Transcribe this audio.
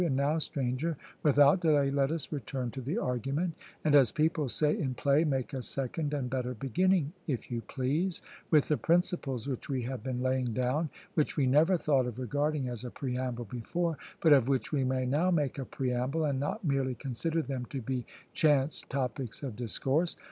And now, Stranger, without delay let us return to the argument, and, as people say in play, make a second and better beginning, if you please, with the principles which we have been laying down, which we never thought of regarding as a preamble before, but of which we may now make a preamble, and not merely consider them to be chance topics of discourse.